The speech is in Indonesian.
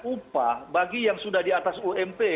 upah bagi yang sudah di atas ump